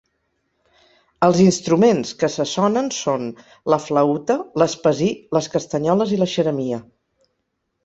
Els instruments que se sonen són la flaüta, l'espasí, les castanyoles i la xeremia.